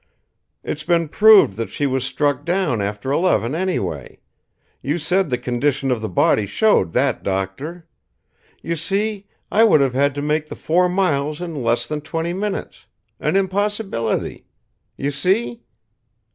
"It's been proved that she was struck down after eleven anyway. You said the condition of the body showed that, doctor. You see, I would have had to make the four miles in less than twenty minutes an impossibility. You see?"